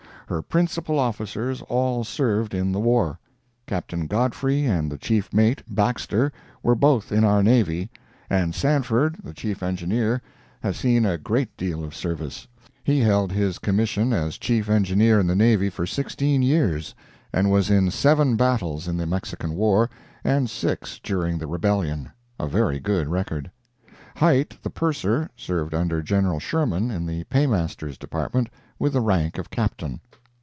Her principal officers all served in the war. Captain Godfrey and the Chief mate, Baxter, were both in our navy, and Sanford, the Chief Engineer, has seen a great deal of service. He held his commission as Chief Engineer in the navy for sixteen years, and was in seven battles in the Mexican war, and six during the rebellion—a very good record. Hite, the Purser, served under General Sherman, in the Paymaster's department, with the rank of Captain.